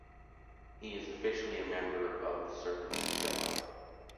He is officially a member of the Servants of God.